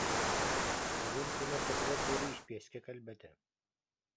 Бүгүн күн ортотугар диэри испиэскэ кэлбэтэ